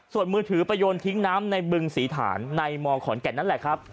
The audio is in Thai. ส่วนมือถือไปโยนทิ้งน้ำในบึงศรีฐานในมขอนแก่นนั่นแหละครับ